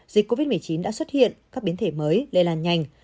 dịch covid một mươi chín đã xuất hiện các biến thể mới lây lan nhanh